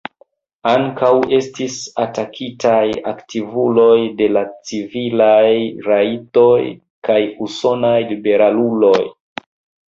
Ankaŭ estis atakitaj aktivuloj de la civilaj rajtoj kaj usonaj liberaluloj.